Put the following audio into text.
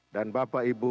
dan bapak ibu